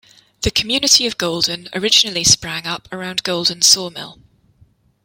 The community of Golden originally sprang up around Golden Sawmill.